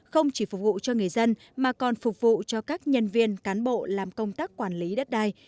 không chỉ phục vụ cho người dân mà còn phục vụ cho các nhân viên cán bộ làm công tác quản lý đất đai